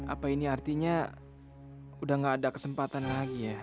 apa ini artinya udah gak ada kesempatan lagi ya